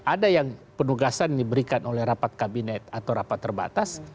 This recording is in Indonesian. ada yang penugasan diberikan oleh rapat kabinet atau rapat terbatas